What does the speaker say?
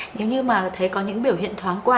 nếu như mà thấy có những biểu hiện thoáng qua